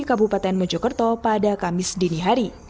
kabupaten mojokerto pada kamis dinihari